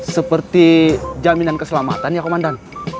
seperti jaminan keselamatan ya komandan